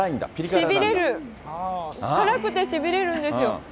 しびれる、辛くてしびれるんですよ。